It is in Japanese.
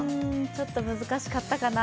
ちょっと難しかったかな。